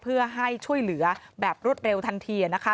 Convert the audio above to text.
เพื่อให้ช่วยเหลือแบบรวดเร็วทันทีนะคะ